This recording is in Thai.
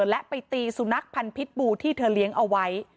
และไปตีสุนัขพันธ์พิษบูที่เธอเลี้ยงเอาไว้